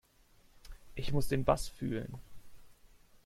Ich muss den Bass fühlen.